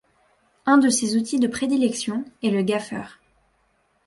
Un de ses outils de prédilection est le gaffer.